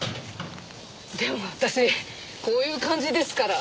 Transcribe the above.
でも私こういう感じですから。